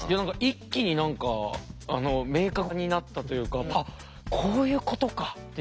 一気に何か明確になったというか「あっこういうことか」っていう。